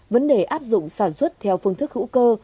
vấn đề áp dụng sản xuất theo phương thức hữu cơ